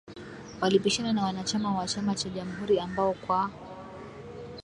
Walipishana na wanachama wa chama cha jamhuri ambao kwa